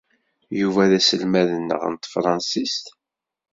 Yuba d aselmad-nneɣ n tefṛensist.